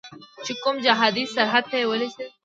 چې کوم جهادي سرحد ته یې ولیږي.